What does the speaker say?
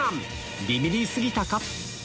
ビビり過ぎたか？